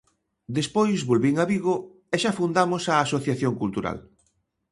Despois volvín a Vigo, e xa fundamos a Asociación Cultural.